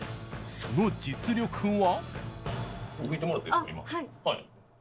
その実力は？